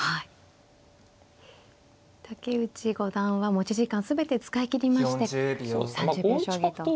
竹内五段は持ち時間全て使いきりまして３０秒将棋と。